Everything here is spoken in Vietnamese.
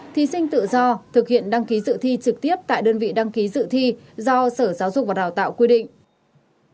thí sinh tự do thực hiện đăng ký dự thi trực tiếp tại đơn vị đăng ký dự thi do sở giáo dục và đào tạo quy định